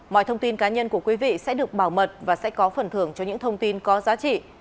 mọi thông tin cá nhân của quý vị sẽ được bảo mật và sẽ có phần thưởng cho những thông tin có giá trị